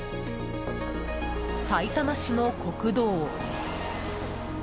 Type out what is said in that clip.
さいたま市の国道。